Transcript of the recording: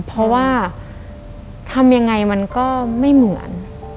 เพราะว่าทำยังไงมันก็ไม่เหมือน